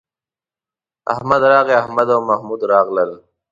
احمد راغی، احمد او محمود راغلل